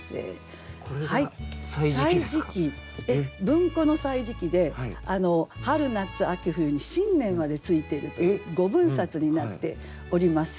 文庫の「歳時記」で「春」「夏」「秋」「冬」に「新年」までついているという５分冊になっております。